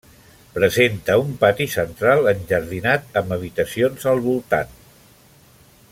Presenta un pati central enjardinat amb habitacions al voltant.